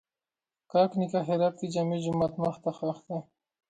کاک نیکه هرات کښې جامع ماجت مخ ته ښخ دی